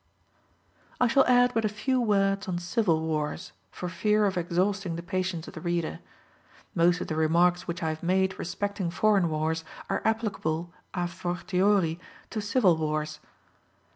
I shall add but a few words on civil wars, for fear of exhausting the patience of the reader. Most of the remarks which I have made respecting foreign wars are applicable a fortiori to civil wars.